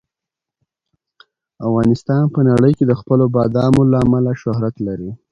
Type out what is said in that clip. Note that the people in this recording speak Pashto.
افغانستان په نړۍ کې د خپلو بادامو له امله شهرت لري.